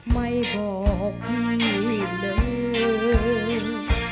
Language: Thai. ไม่บอกพี่เลย